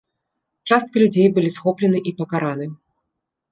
Частка людзей былі схоплены і пакараны.